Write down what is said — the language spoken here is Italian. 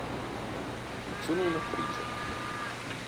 Sono un'attrice.